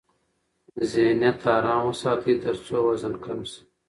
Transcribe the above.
ذهنیت آرام وساتئ ترڅو وزن کم شي.